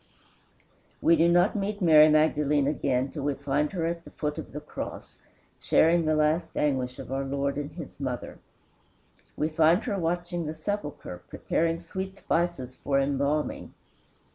We do not meet Mary Magdalene again till we find her at the foot of the cross, sharing the last anguish of our Lord and his mother. We find her watching the sepulchre, preparing sweet spices for embalming.